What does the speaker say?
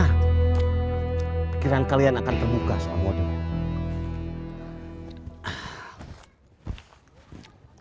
pikiran kalian akan terbuka soal modemnya